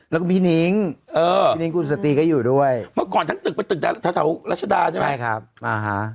แล้วก็พี่นิ้งพี่นิ้งคุณสตรีก็อยู่ด้วยเมื่อก่อนทั้งตึกเป็นตึกแถวรัชดาใช่ไหมใช่ครับอ่าฮะ